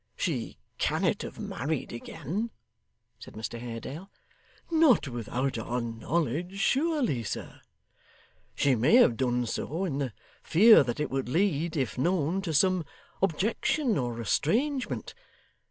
'She cannot have married again,' said Mr Haredale. 'Not without our knowledge surely, sir.' 'She may have done so, in the fear that it would lead, if known, to some objection or estrangement.